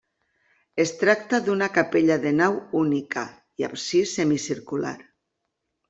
Es tracta d'una capella de nau única i absis semicircular.